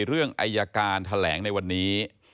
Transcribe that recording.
เรื่องอายการแถลงในวันนี้